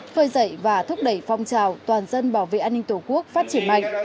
phơi dậy và thúc đẩy phong trào toàn dân bảo vệ an ninh tổ quốc phát triển mạnh